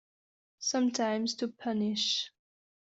Sometimes to punish.